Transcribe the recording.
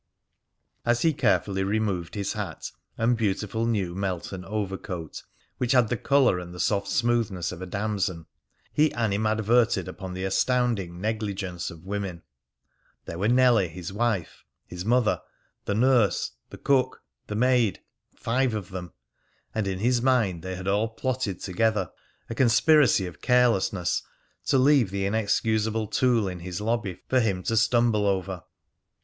As he carefully removed his hat and his beautiful new Melton overcoat (which had the colour and the soft smoothness of a damson), he animadverted upon the astounding negligence of women. There were Nellie, his wife; his mother, the nurse, the cook, the maid five of them; and in his mind they had all plotted together a conspiracy of carelessness to leave the inexcusable tool in his lobby for him to stumble over.